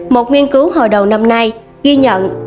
một nghiên cứu hồi đầu năm nay ghi nhận